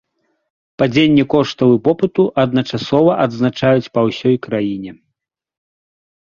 Падзенне коштаў і попыту адначасова адзначаюць па ўсёй краіне.